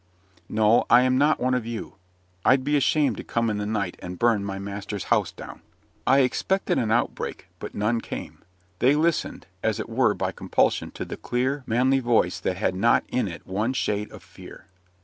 "No, I am not one of you. I'd be ashamed to come in the night and burn my master's house down." I expected an outbreak, but none came. They listened, as it were by compulsion, to the clear, manly voice that had not in it one shade of fear.